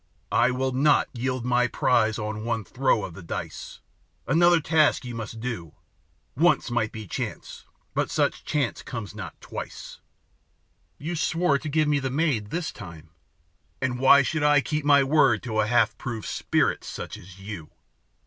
I will not yield my prize on one throw of the dice. Another task you must do. Once might be chance, but such chance comes not twice." "You swore to give me the maid this time." "And why should I keep my word to a half proved spirit such as you?"